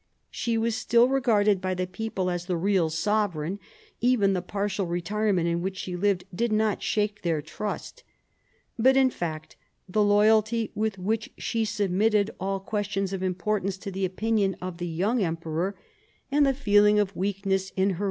She was still regarded by the people as the real sovereign ; even the partial retirement in which she lived did not shake their trust. But, in fact, the loyalty with which she sub mitted all questions of importance to the opinion of the young emperor, and the feeling of weakness in her 224 THE CO REGENTS ohap.